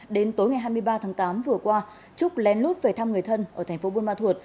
đến tối ngày hai mươi ba tháng tám vừa qua trúc lén lút về thăm người thân ở thành phố buôn ma thuột